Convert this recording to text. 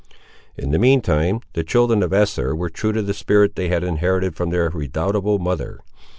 In the mean time, the children of Esther were true to the spirit they had inherited from their redoubtable mother.